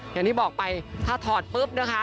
อย่างที่บอกไปถ้าถอดปุ๊บนะคะ